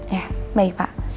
ya baik pa